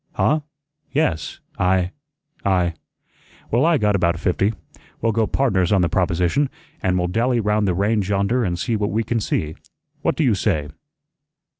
"Huh? Yes I I " "Well, I got about fifty. We'll go pardners on the proposition, an' we'll dally 'round the range yonder an' see what we can see. What do you say?"